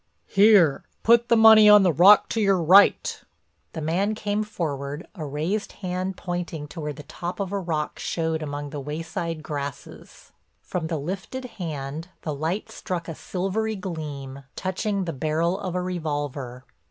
"Here. Put the money on the rock to your right." The man came forward, a raised hand pointing to where the top of a rock showed among the wayside grasses. From the lifted hand, the light struck a silvery gleam, touching the barrel of a revolver.